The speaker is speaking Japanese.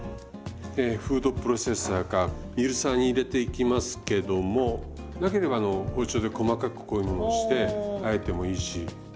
フードプロセッサーかミルサーに入れていきますけどもなければ包丁で細かくこういうものをしてあえてもいいし。